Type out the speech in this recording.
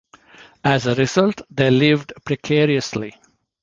As a result, they lived precariously.